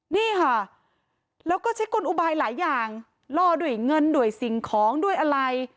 นี่ค่ะแล้วก็ใช้กลอุบายหลายอย่างล่อด้วยเงินด้วยสิ่งของด้วยอะไร